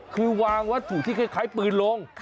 คือวางวัตถุที่คล้ายปืนลง